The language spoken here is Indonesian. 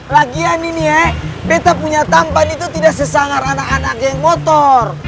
lagian ini ee beta punya tampan itu tidak sesangar anak anak yang motor